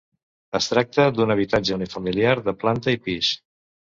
Es tracta d'un habitatge unifamiliar de planta i pis.